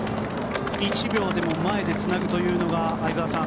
１秒でも前でつなぐというのが相澤さん